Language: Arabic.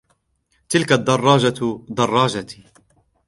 تلك الدراجة دراجتي.